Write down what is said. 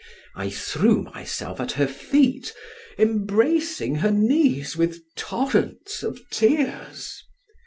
I threw myself at her feet, embracing her knees with torrents of tears.